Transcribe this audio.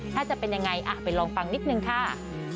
ถ้าจะเป็นยังไงไปลองฟังนิดนึงค่ะ